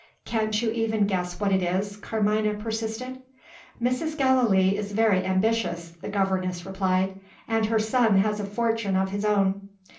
"Can't you even guess what it is?" Carmina persisted. "Mrs. Gallilee is very ambitious," the governess replied: "and her son has a fortune of his own.